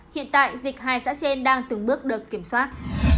hiện tại dịch hai xã trên đang từng bước được kiểm soát